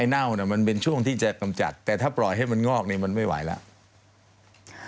เน่ามันเป็นช่วงที่จะกำจัดแต่ถ้าปล่อยให้มันงอกเนี่ยมันไม่ไหวแล้ว